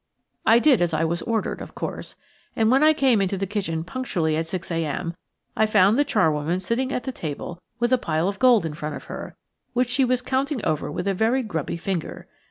I did as I was ordered, of course, and when I came into the kitchen punctually at six a.m. I found the charwoman sitting at the table with a pile of gold in front of her, which she was counting over with a very grubby finger.